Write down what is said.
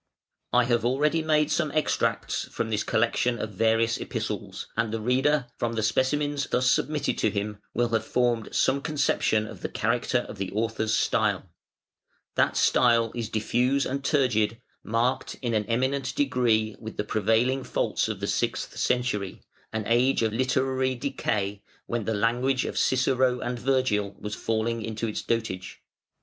I have already made some extracts from this collection of "Various Epistles" and the reader, from the specimens thus submitted to him, will have formed some conception of the character of the author's style. That style is diffuse and turgid, marked in an eminent degree with the prevailing faults of the sixth century, an age of literary decay, when the language of Cicero and Virgil was falling into its dotage.